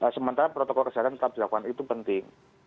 sementara protokol kesehatan tetap dilakukan itu penting